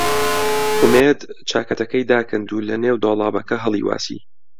ئومێد چاکەتەکەی داکەند و لەنێو دۆڵابەکە هەڵی واسی.